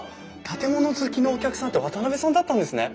建物好きのお客さんって渡邉さんだったんですね。